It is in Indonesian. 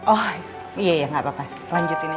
oh iya nggak papa lanjutin aja